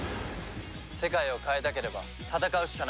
世界を変えたければ戦うしかない。